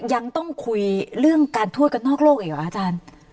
ยังต้องคุยเรื่องการทวดกันนอกโลกอีกเหรออาจารย์